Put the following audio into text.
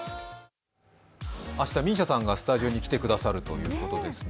明日、ＭＩＳＩＡさんが、スタジオに来てくださるということですね。